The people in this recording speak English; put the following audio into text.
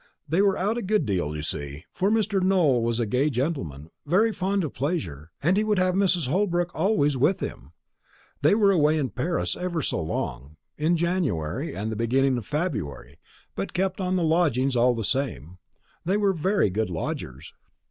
They were out a good deal, you see; for Mr. Nowell was a gay gentleman, very fond of pleasure, and he would have Mrs. Holbrook always with him. They were away in Paris ever so long, in January and the beginning of February, but kept on the lodgings all the same. They were very good lodgers."